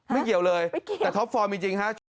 ไม่เกี่ยวเลยแต่ท็อป๔มีจริง